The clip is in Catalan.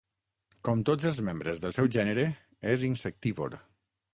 Com tots els membres del seu gènere, és insectívor.